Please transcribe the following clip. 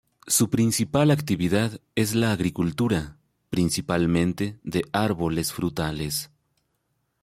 Su principal actividad es la agricultura, principalmente de árboles frutales.